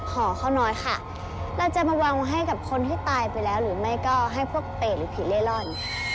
ห่อข้าวน้อยค่ะเราจะมาวางให้กับคนที่ตายไปแล้วหรือไม่ก็ให้พวกเปย์หรือผีเล่ร่อน